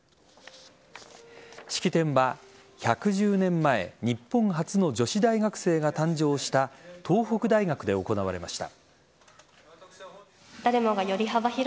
式典は１１０年前日本初の女子大学生が誕生した東北大学で行われました。